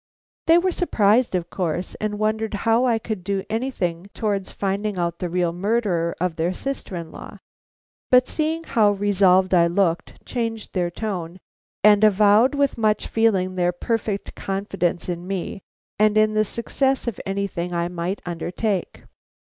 They were surprised, of course, and wondered how I could do anything towards finding out the real murderer of their sister in law; but seeing how resolved I looked, changed their tone and avowed with much feeling their perfect confidence in me and in the success of anything I might undertake.